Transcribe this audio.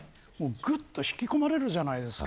ぐっと引き込まれるじゃないですか